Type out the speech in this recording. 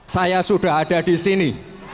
saya sudah ada di sini